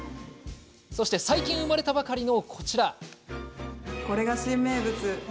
そして最近、生まれたばかりのこちら。